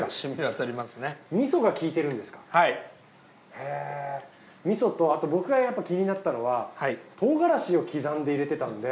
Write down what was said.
へ味噌とあと僕がやっぱ気になったのは唐辛子を刻んで入れてたんで。